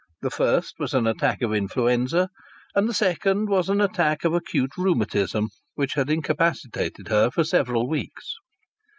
The first was an attack of influenza, and the second was an attack of acute rheumatism, which had incapacitated her for several weeks.